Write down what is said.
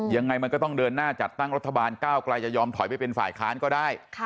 ยังไงมันก็ต้องเดินหน้าจัดตั้งรัฐบาลก้าวไกลจะยอมถอยไปเป็นฝ่ายค้านก็ได้